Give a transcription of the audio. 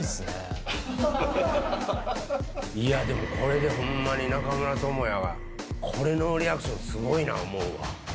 いや、でもこれでほんまに中村倫也は、これ、ノーリアクションはすごいな思うわ。